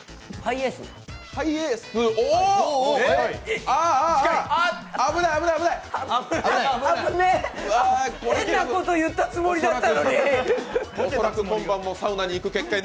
変なこと言ったつもりだったのに。